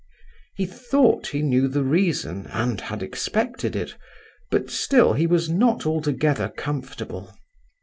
He thought he knew the reason, and had expected it, but still, he was not altogether comfortable.